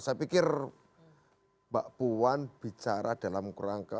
saya pikir mbak puan bicara dalam kurang ke